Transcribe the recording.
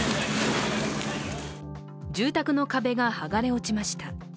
住宅の壁が剥がれ落ちました。